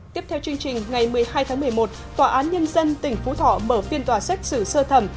tiếp theo chương trình ngày một mươi hai tháng một mươi một tòa án nhân dân tỉnh phú thọ mở phiên tòa xét xử sơ thẩm